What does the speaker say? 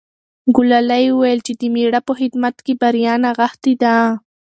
ګلالۍ وویل چې د مېړه په خدمت کې بریا نغښتې ده.